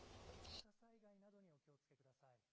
土砂災害などにお気をつけください。